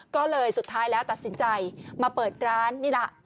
ก็เลยสุดท้ายแล้วตัดสินใจมาเปิดร้านนี่แหละ